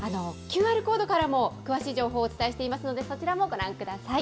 ＱＲコードからも、詳しい情報をお伝えしていますので、そちらもご覧ください。